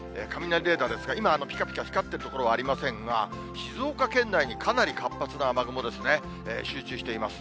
雷レーダーですが、今、ぴかぴか光ってる所はありませんが、静岡県内にかなり活発な雨雲ですね、集中しています。